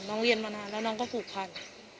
เรียนมานานแล้วน้องก็ผูกพัน